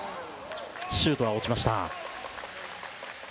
シュートは落ちました。